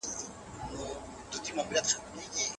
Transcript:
آسمال ټولنپوهنه د متقابل عمل څېړنه بولي.